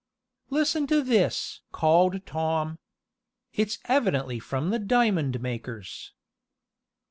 "Listen to this!" called Tom. "It's evidently from the diamond makers."